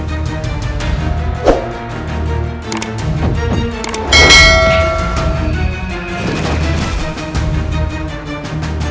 di mana berbagusan tentang karak tiga arti